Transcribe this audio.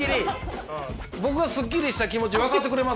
僕がスッキリした気持ち分かってくれます？